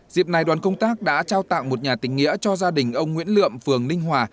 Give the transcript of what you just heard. dịp này đoàn công tác đã trao tặng một nhà tình nghĩa cho gia đình ông nguyễn lượm phường ninh hòa